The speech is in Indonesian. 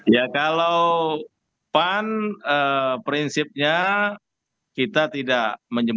ya kalau pan prinsipnya kita tidak menyebutkan